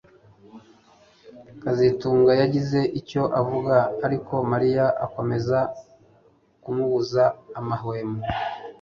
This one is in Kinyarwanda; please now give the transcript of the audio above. kazitunga yagize icyo avuga ariko Mariya akomeza kumubuza amahwemo